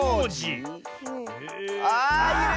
あいる！